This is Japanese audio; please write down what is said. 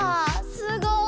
すごい！